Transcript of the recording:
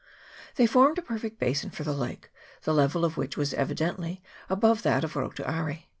They formed a perfect basin for the lake, the level of which was evidently above that of Rotu Aire.